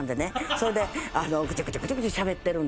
それでぐちゅぐちゅぐちゅぐちゅしゃべってるんで。